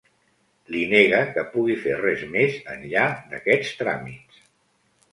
Li nega que pugui fer res més enllà d’aquests tràmits.